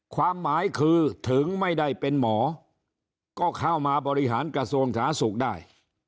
ความหมายคือถึงไม่ได้เป็นหมอก็เข้ามาบริหารกระทรวงสาธารณสุขได้